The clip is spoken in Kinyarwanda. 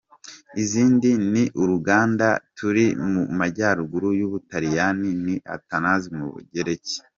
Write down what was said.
Izindi ni urugana i Turin mu majyaruguru y’u Butaliyani na Athens mu Bugereki.